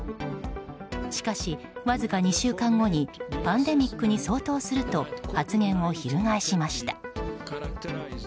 しかし、わずか２週間後にパンデミックに相当すると発言をひるがえしました。